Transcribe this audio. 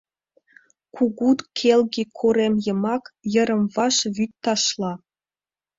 Кугу, келге корем йымак йырым-ваш вӱд ташла.